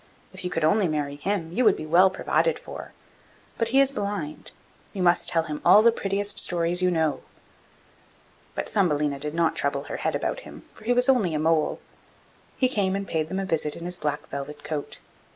If you could only marry him, you would be well provided for. But he is blind. You must tell him all the prettiest stories you know.' But Thumbelina did not trouble her head about him, for he was only a mole. He came and paid them a visit in his black velvet coat.